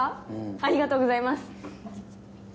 ありがとうございます！